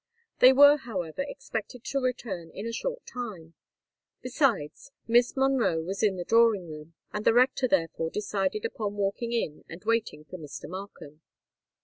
They were, however, expected to return in a short time;—besides, Miss Monroe was in the drawing room; and the rector therefore decided upon walking in and waiting for Mr. Markham.